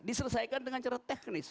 diselesaikan dengan cara teknis